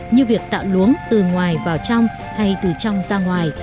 như việc tạo luống từ ngoài vào trong hay từ trong ra ngoài